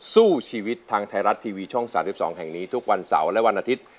สู้ชีวิตทางไทยรัฐทีวีช่อง๓๒แห่งนี้ทุกวันเสาร์และวันอาทิตย์